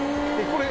これ